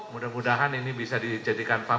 mudah mudahan ini bisa dijadikan fakta